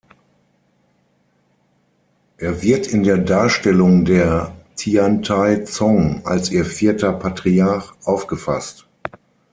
Er wird in der Darstellung der Tiantai zong als ihr vierter Patriarch aufgefasst.